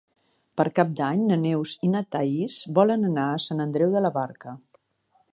Per Cap d'Any na Neus i na Thaís volen anar a Sant Andreu de la Barca.